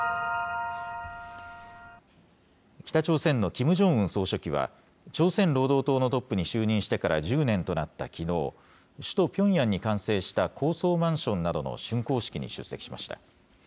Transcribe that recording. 北朝鮮のキム・ジョンウン総書記は、朝鮮労働党のトップに就任してから１０年となったきのう、首都ピョンヤンに完成した高層マンションなどのしゅんこう式に出席しました。